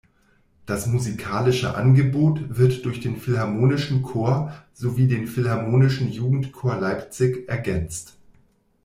Das musikalische Angebot wird durch den Philharmonischen Chor sowie den Philharmonischen Jugendchor Leipzig ergänzt.